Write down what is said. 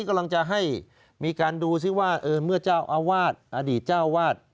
กำลังจะให้มีการดูซิว่าเมื่อเจ้าอาวาสอดีตเจ้าวาด